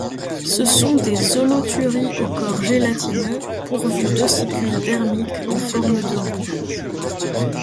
Ce sont des holothuries au corps gélatineux, pourvues d'ossicules dermiques en forme de roues.